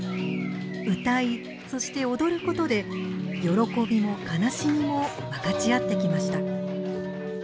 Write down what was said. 歌いそして踊ることで喜びも悲しみも分かち合ってきました。